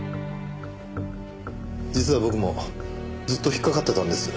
実は僕もずっと引っかかっていたんです。